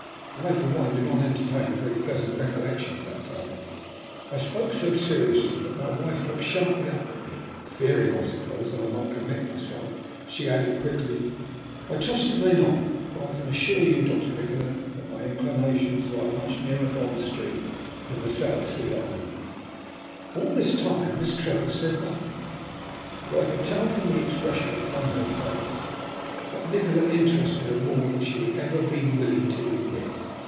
"I for one do not entertain a very pleasant recollection of that time." I spoke so seriously that my wife looked sharply up at me. Fearing, I suppose, that I might commit myself, she added quickly "I trust it may not. For I can assure you, Doctor Nikola, that my inclinations lie much nearer Bond Street than the South Sea Islands." All this time Miss Trevor said nothing, but I could tell from the expression upon her face that Nikola interested her more than she would have been willing to admit.